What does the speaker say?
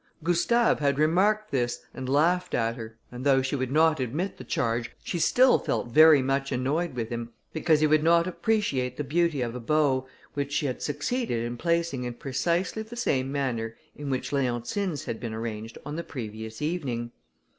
Gustave had remarked this, and laughed at her, and though she would not admit the charge, she still felt very much annoyed with him, because he would not appreciate the beauty of a bow, which she had succeeded in placing in precisely the same manner in which Leontine's had been arranged on the previous evening.